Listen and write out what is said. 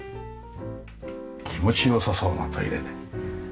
気持ち良さそうなトイレで。